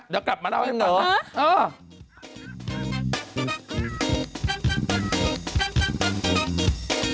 เดี๋ยวกลับมาเล่าให้พันธุ์นะครับเออจริงเหรอ